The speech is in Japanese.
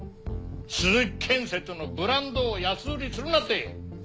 鈴木建設のブランドを安売りするなって！